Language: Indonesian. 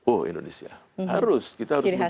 oh indonesia harus kita harus mendukung